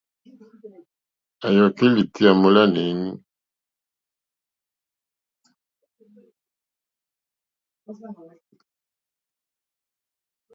À yɔ̀kí ìtyá mólánè éní.